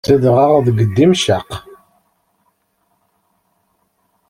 Zedɣeɣ deg Dimecq.